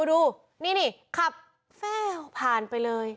ดูนี่ขับแฟ่วผ่านไปเลย